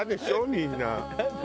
みんな。